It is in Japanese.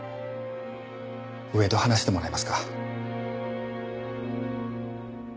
上と話してもらえますか？